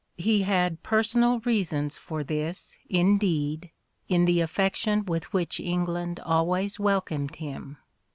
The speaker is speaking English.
He had personal reasons for this, indeed, in the affection with which England always welcomed him.